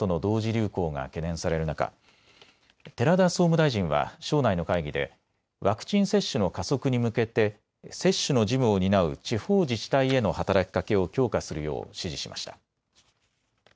流行が懸念される中、寺田総務大臣は省内の会議でワクチン接種の加速に向けて接種の事務を担う地方自治体への働きかけを強化するよう指示しました。